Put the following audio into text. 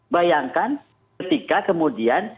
bayangkan ketika kemudian